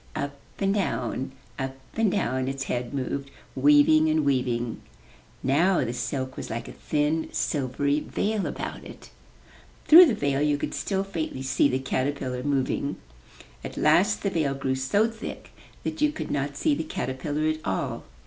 Up and down, up and down its head moved, weaving and weaving. Now the silk was like a thin, silvery veil about it. Through the veil you could still faintly see the caterpillar moving. At last the veil grew so thick that you could not see the caterpillar at all.